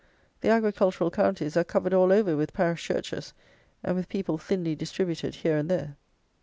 The agricultural counties are covered all over with parish churches, and with people thinly distributed here and there.